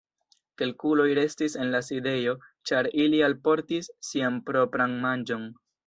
Kelkuloj restis en la sidejo, ĉar ili alportis sian propran manĝon.